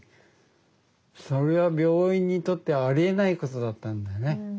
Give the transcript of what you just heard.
それは病院にとってありえないことだったんだよね。